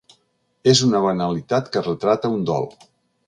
És una banalitat que retrata un dol.